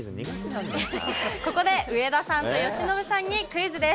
ここで上田さんと由伸さんにクイズです。